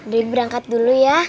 debbie berangkat dulu ya